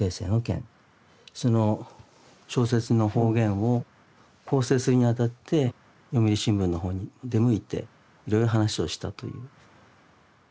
その小説の方言を校正するにあたって読売新聞の方に出向いていろいろ話をしたという。